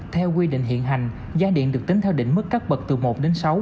theo quy định hiện hành giá điện được tính theo đỉnh mức cắt bật từ một đến sáu